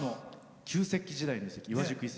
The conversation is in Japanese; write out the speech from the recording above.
旧石器時代、岩宿遺跡。